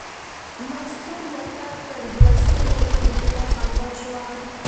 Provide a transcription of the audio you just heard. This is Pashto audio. مستو ورته تر بړستنې لاندې په خندا شوه.